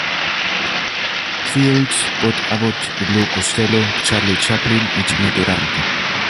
Fields, Bud Abbott y Lou Costello, Charlie Chaplin, y Jimmy Durante.